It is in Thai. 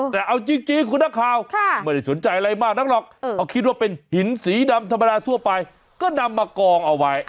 แต่เอาจริงคุณนักข่าวไม่ได้สนใจอะไรมากนักหรอกเพราะคิดว่าเป็นหินสีดำธรรมดาทั่วไปก็นำมากองเอาไว้